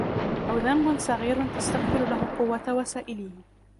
أَوْ ذَنْبٌ صَغِيرٌ تَسْتَغْفِرُ لَهُ قُوَّةُ وَسَائِلِهِ